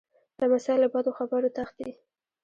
لمسی له بدو خبرو تښتي.